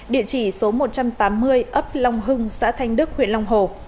địa chỉ số một trăm tám mươi ấp long hưng xã thanh đức huyện long hồ